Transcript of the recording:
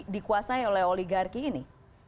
dikuasai oleh oligarki ini